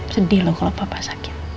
sedih loh kalau papa sakit